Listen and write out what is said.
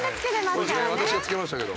私がつけましたけど。